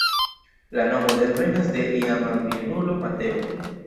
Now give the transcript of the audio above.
La nomo devenas de iama bienulo Mateo.